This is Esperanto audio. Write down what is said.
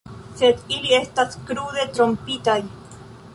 Sed ili estas krude trompitaj.